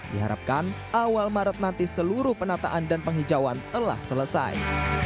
diharapkan awal maret nanti seluruh penataan dan penghijauan telah selesai